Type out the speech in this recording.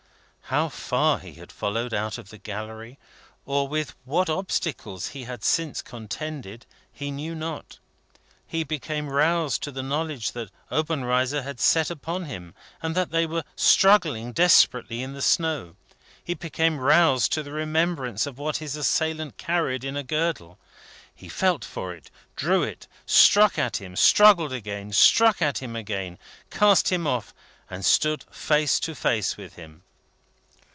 How far he had followed out of the gallery, or with what obstacles he had since contended, he knew not. He became roused to the knowledge that Obenreizer had set upon him, and that they were struggling desperately in the snow. He became roused to the remembrance of what his assailant carried in a girdle. He felt for it, drew it, struck at him, struggled again, struck at him again, cast him off, and stood face to face with him.